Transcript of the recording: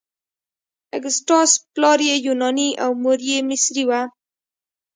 اګسټاس پلار یې یوناني او مور یې مصري وه.